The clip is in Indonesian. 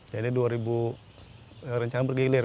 jadi dua ribu rencana bergilir